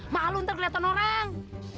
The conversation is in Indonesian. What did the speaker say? malu ntar ngeliat orang